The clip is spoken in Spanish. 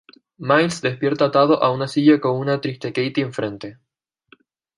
Miles despierta atado a una silla con una triste Katie enfrente.